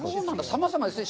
さまざまですね。